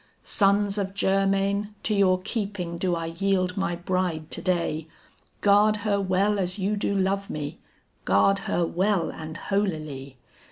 "Sons of Germain, to your keeping do I yield my bride to day. Guard her well as you do love me; guard her well and holily.